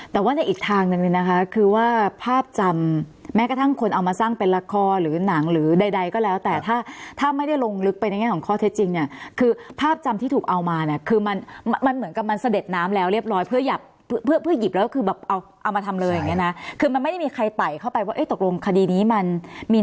แต่ว่าในอีกทางหนึ่งเลยนะคะคือว่าภาพจำแม้กระทั่งคนเอามาสร้างเป็นละครหรือหนังหรือใดก็แล้วแต่ถ้าถ้าไม่ได้ลงลึกไปในแง่ของข้อเท็จจริงเนี่ยคือภาพจำที่ถูกเอามาเนี่ยคือมันมันเหมือนกับมันเสด็จน้ำแล้วเรียบร้อยเพื่อหับเพื่อเพื่อหยิบแล้วคือแบบเอาเอามาทำเลยอย่างเงี้นะคือมันไม่ได้มีใครไต่เข้าไปว่าตกลงคดีนี้มันมี